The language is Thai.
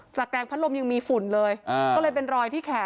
แรงพัดลมยังมีฝุ่นเลยก็เลยเป็นรอยที่แขน